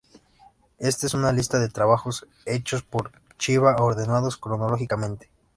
Éste es un lista de trabajos hechos por Chiba ordenados cronológicamente.